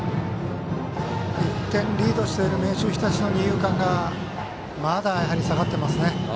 １点リードしている明秀日立の二遊間がまだ下がっていますね。